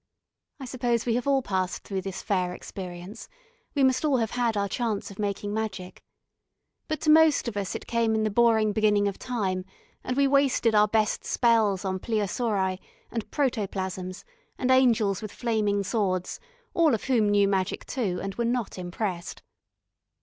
I suppose we have all passed through this fair experience, we must all have had our chance of making magic. But to most of us it came in the boring beginning of time, and we wasted our best spells on plesiosauri, and protoplasms, and angels with flaming swords, all of whom knew magic too, and were not impressed.